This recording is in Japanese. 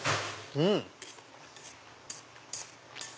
うん！